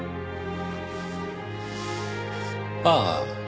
ああ。